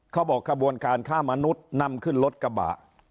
ขบวนการฆ่ามนุษย์นำขึ้นรถกระบะ